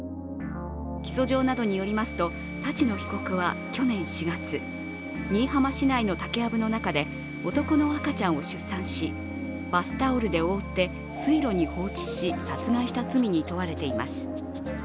起訴状などによりますと立野被告は去年４月新居浜市内の竹やぶの中で男の赤ちゃんを出産しバスタオルで覆って水路に放置し、殺害した罪に問われています。